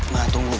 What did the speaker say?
ma tunggu ma